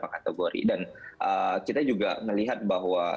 kita juga melihat bahwa